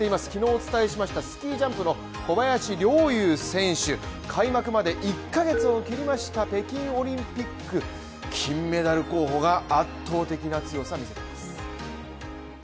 昨日お伝えしましたスキージャンプの小林陵侑選手開幕まで１ヶ月を切りました北京オリンピック金メダル候補が圧倒的な強さを見せました。